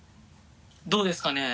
どうですかね。